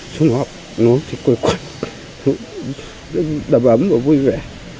xung hợp nó thì quên quên đập ấm và vui vẻ